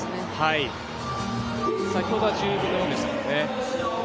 先ほどは１０分の４でしたからね。